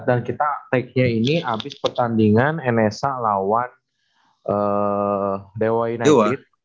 dan kita tag nya ini abis pertandingan nsh lawan dewa united